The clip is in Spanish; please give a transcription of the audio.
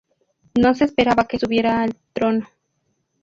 No se esperaba que subiera al trono.